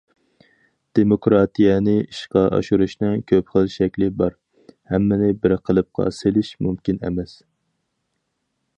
دېموكراتىيەنى ئىشقا ئاشۇرۇشنىڭ كۆپ خىل شەكلى بار، ھەممىنى بىر قېلىپقا سېلىش مۇمكىن ئەمەس.